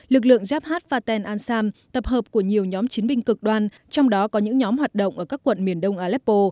lực lượng yabh faten ansam tập hợp của nhiều nhóm chiến binh cực đoan trong đó có những nhóm hoạt động ở các quận miền đông aleppo